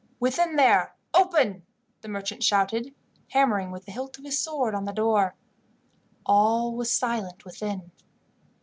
"Within there, open!" the merchant shouted, hammering with the hilt of his sword on the door. All was silent within.